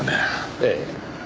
ええ。